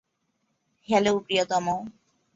Hello, প্রিয়তম।